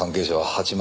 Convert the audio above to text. ８万！？